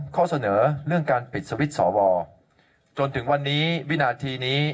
ข้อเสนอเรื่องการปิดสวิตช์สวจนถึงวันนี้วินาทีนี้